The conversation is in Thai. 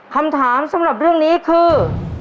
คำถามสำหรับเรื่องนี้คือ